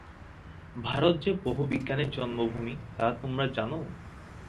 ভারত যে বহু বিজ্ঞানের জন্মভূমি, তাহা তোমরা জান।